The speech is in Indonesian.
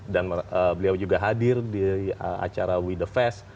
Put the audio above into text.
dan beliau juga hadir di acara we the fast